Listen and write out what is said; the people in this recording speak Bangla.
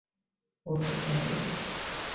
ওহ, বেচারি।